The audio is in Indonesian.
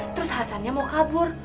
terus hasan nya mau kabur